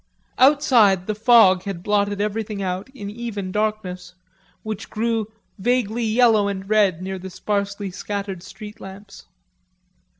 Outside the fog had blotted everything out in even darkness which grew vaguely yellow and red near the sparsely scattered street lamps.